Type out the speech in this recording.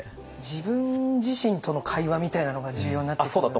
自分自身との会話みたいなのが重要になってくるんですかね？